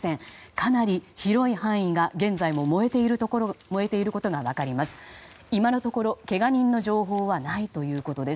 かなり広い範囲が現在も燃えているのが分かります。